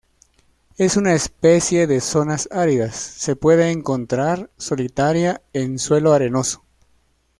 Es una especie de zonas áridas, se puede encontrar solitaria en suelo arenoso.